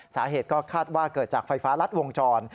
สาเหตุก็คาดว่าเกิดจากไฟฟ้ารัดวงจร